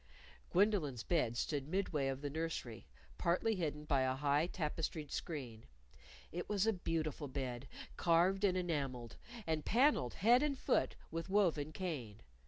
Gwendolyn's bed stood midway of the nursery, partly hidden by a high tapestried screen. It was a beautiful bed, carved and enamelled, and panelled head and foot with woven cane.